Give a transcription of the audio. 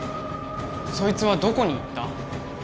そいつはどこに行った？